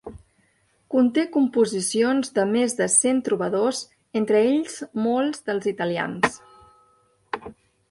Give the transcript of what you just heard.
Conté composicions de més de cent trobadors, entre ells molts dels italians.